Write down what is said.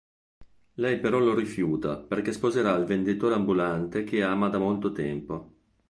Lei però lo rifiuta perché sposerà il venditore ambulante che ama da molto tempo.